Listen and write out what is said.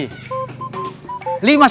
saya tahu kalian bingung